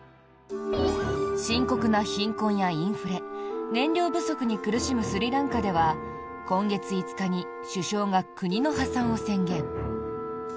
深刻な貧困やインフレ燃料不足に苦しむスリランカでは今月５日に首相が国の破産を宣言。